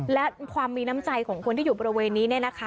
และความมีน้ำใจของคนที่อยู่บริเวณนี้